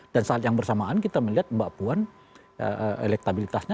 dan saat yang bersamaan kita melihat mbak puan elektabilitasnya